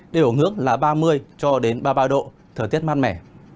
để ở ngước là ba mươi cho đến ba mươi ba độ thời tiết mát mẻ